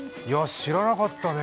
知らなかったね。